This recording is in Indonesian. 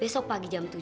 besok pagi jam tujuh